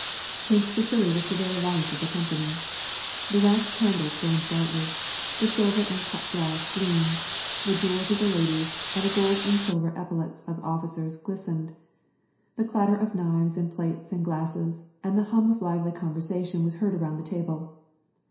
Prince Vasili was the very life of the company. The wax candles burned brightly, the silvtu* and cut glass gleamed, the jewels of the ladies, and the gohl ;in<l silver epau lets of the officers glistened. The clatter of kniv(\s and plates and glasses, and the hum of lively conversation was heard around the table.